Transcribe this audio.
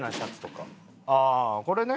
ああこれね。